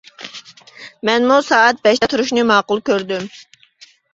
مەنمۇ سائەت بەشتە تۇرۇشنى ماقۇل كۆردۈم.